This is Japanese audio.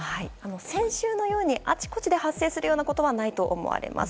先週のようにあちこちで発生するようなことはないと思われます。